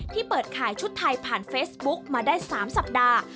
เปิดขายชุดไทยผ่านเฟซบุ๊กมาได้๓สัปดาห์